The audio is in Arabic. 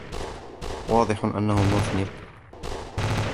واضح أنه مذنب.